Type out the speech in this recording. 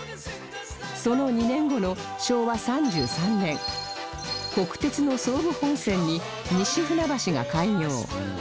その２年後の昭和３３年国鉄の総武本線に西船橋が開業